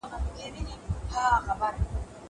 زه کولای سم کتابونه وليکم!!!!